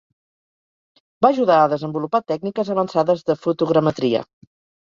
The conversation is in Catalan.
Va ajudar a desenvolupar tècniques avançades de fotogrametria.